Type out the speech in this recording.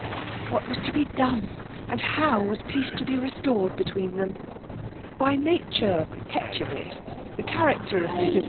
What was to be done; and how was peace to be restored between them ?% nature petulant, the character of Mrs. VOL.